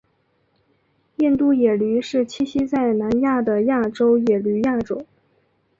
印度野驴是栖息在南亚的亚洲野驴亚种。